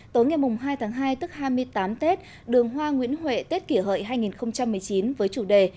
tối ngày hai tháng hai tức hai mươi tám tết đường hoa nguyễn huệ tết kỷ hợi hai nghìn một mươi chín với chủ đề